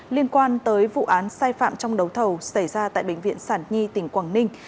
liên quan tới vụ án sai phạm trong đấu thầu xảy ra tại bệnh viện sản nhi tỉnh quảng ninh